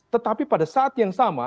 tetapi pada saat yang sama